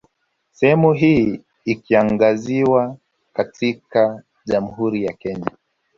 Sehemu hii ikaingizwa katika Jamhuri ya Kenya